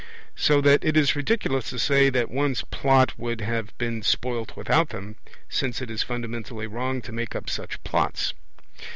So that it is ridiculous to say that one's Plot would have been spoilt without them, since it is fundamentally wrong to make up such Plots.